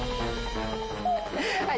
はい。